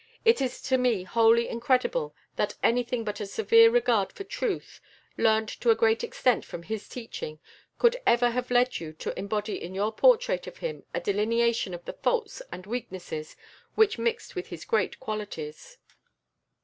It is to me wholly incredible that anything but a severe regard for truth, learnt to a great extent from his teaching, could ever have led you to embody in your portrait of him a delineation of the faults and weaknesses which mixed with his great qualities.